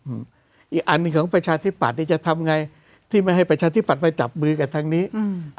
อืมอีกอันหนึ่งของประชาธิปัตย์นี่จะทำไงที่ไม่ให้ประชาธิบัตย์ไปจับมือกับทางนี้อืม